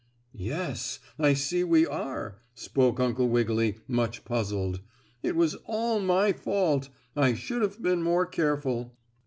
"Yes, I see we are," spoke Uncle Wiggily, much puzzled. "It was all my fault. I should have been more careful."